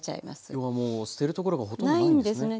要はもう捨てる所がほとんどないんですね。